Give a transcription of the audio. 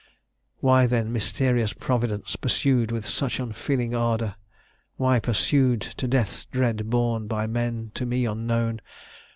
"Why then, mysterious Providence, pursued With such unfeeling ardour? Why pursued To death's dread bourn, by men to me unknown!